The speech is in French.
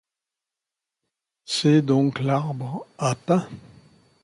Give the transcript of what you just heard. C’est donc l’arbre à pain